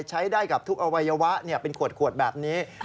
ใช้ได้กับทุกอวัยวะเป็นขวดแบบนี้